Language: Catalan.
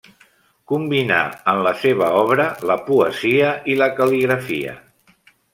Combinà, en la seva obra, la poesia i la cal·ligrafia.